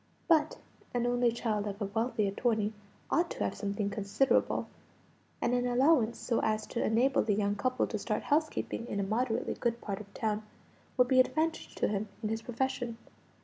But an only child of a wealthy attorney ought to have something considerable; and an allowance so as to enable the young couple to start housekeeping in a moderately good part of town, would be an advantage to him in his profession.